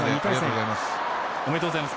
ありがとうございます。